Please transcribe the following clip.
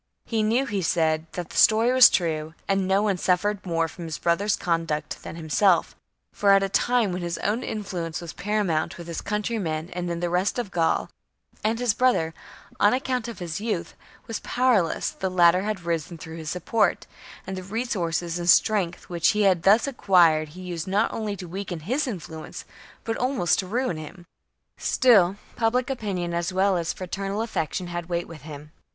He knew, he said, placing <.,^~. Dumnorix that the story was true, and no one suffered more under sur from his brother's conduct than himself; for at a time when his own influence was paramount with his countrymen and in the rest of Gaul, and his brother, on account of his youth, was powerless, the latter had risen through his support ; and the C 1 8 CAMPAIGNS AGAINST THE book 58 B.C. resources and strength which he thus acquired he used not only to weaken his influence, but almost to ruin him. Still, public opinion as well as fraternal affection had weight with him.